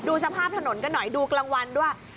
ดูสภาพถนนกันหน่อยดูกลางวันด้วย